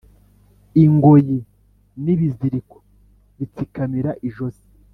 Ingoyi n’ibiziriko bitsikamira ijosi,